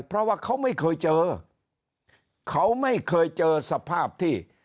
เพราะว่าเขาไม่เคยเจอเขาไม่เคยเจอสภาพที่